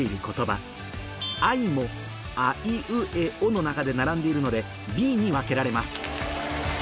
の中で並んでいるのでＢに分けられます